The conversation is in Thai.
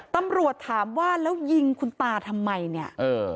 ตำรวจถามว่าแล้วยิงคุณตาทำไมเนี่ยเออ